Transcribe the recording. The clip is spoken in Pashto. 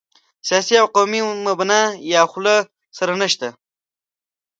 سیاسي او قومي مبنا یا خو له سره نشته.